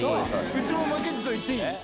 うちも負けじと言っていい？